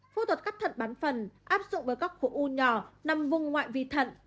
phẫu thuật cắt thận bán phần áp dụng với các khối u nhỏ nằm vùng ngoại vì thận